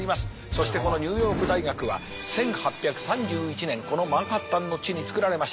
そしてこのニューヨーク大学は１８３１年このマンハッタンの地につくられました。